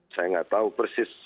tidak tahu persis